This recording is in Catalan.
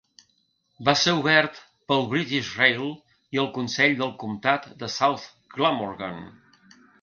Va ser obert pel British Rail i el consell del comptat de South Glamorgan.